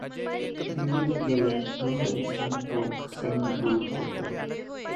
ਦੇਵੀ ਦੇਵ ਦੇਹੁਰੇ ਸੰਤੋਖ ਸਿੰਘ ਦੂਰ ਹੋਤੇ